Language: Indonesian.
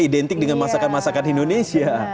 identik dengan masakan masakan indonesia